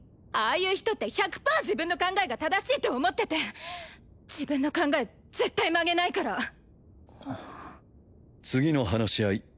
ああいう人って１００パー自分の考えが正しいと思ってて自分の考え絶対曲げないから次の話し合い